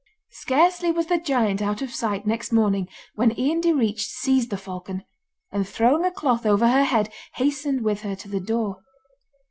Scarcely was the giant out of sight next morning when Ian Direach seized the falcon, and throwing a cloth over her head hastened with her to the door.